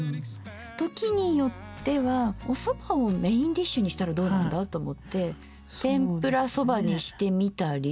時によってはおそばをメインディッシュにしたらどうなんだと思って天ぷらそばにしてみたり。